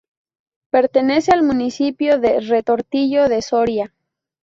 Pertenece al municipio de Retortillo de Soria.